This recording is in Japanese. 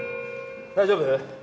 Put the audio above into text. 大丈夫？